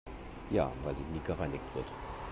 Ja, weil sie nie gereinigt wird.